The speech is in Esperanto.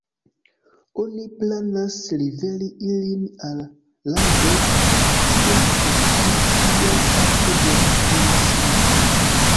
Oni planas liveri ilin al lago Tian-e-Zhou, iama parto de Jangzio.